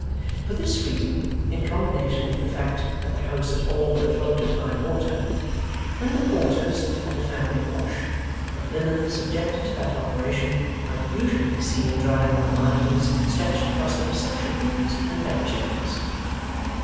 For this reason, in combination with the fact that the house was all but afloat at high water, when the Porters had a family wash the linen subjected to that operation might usually be seen drying on lines stretched across the reception rooms and bed chambers.